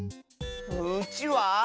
うちわ？